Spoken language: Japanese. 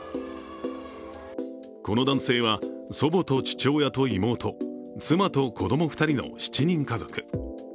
この男性は、祖母と父親と妹、妻と子供２人の７人家族。